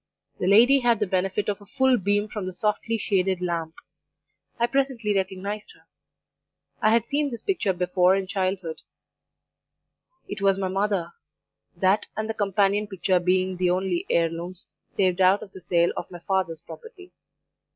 The lady had the benefit of a full beam from the softly shaded lamp. I presently recognised her; I had seen this picture before in childhood; it was my mother; that and the companion picture being the only heir looms saved out of the sale of my father's property.